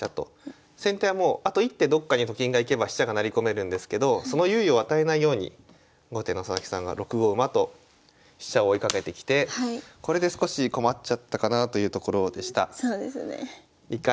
先手はもうあと１手どっかにと金が行けば飛車が成り込めるんですけどその猶予を与えないように後手の佐々木さんが６五馬と飛車を追いかけてきてこれで少し困っちゃったかなというところでした。